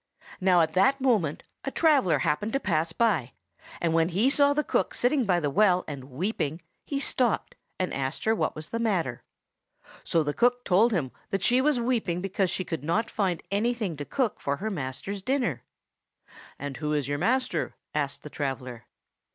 Now, at that moment a traveller happened to pass by, and when he saw the cook sitting by the well and weeping, he stopped, and asked her what was the matter. So the cook told him that she was weeping because she could not find anything to cook for her master's dinner. "And who is your master?" asked the traveller.